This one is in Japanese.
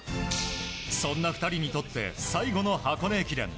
そんな２人にとって最後の箱根駅伝。